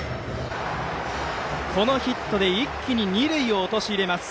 このヒットで一気に二塁を陥れます。